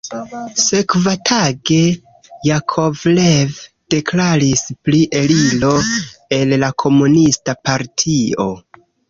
Sekvatage Jakovlev deklaris pri eliro el la komunista partio.